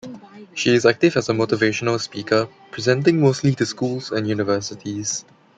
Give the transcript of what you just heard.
She is active as a motivational speaker, presenting mostly to schools and universities.